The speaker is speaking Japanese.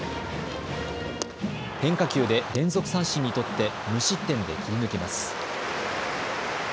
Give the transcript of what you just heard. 変化球で連続三振に取って無失点で切り抜けます。